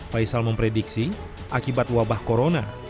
faisal memprediksi akibat wabah corona